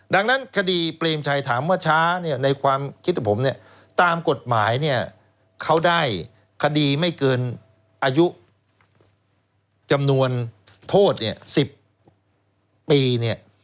ดังนั้นคดีเปรมชัยถามว่าช้าเนี่ยในความคิดของผมเนี่ยตามกฎหมายเนี่ยเขาได้คดีไม่เกินอายุจำนวนโทษเนี่ย๑๐ปีเนี่ย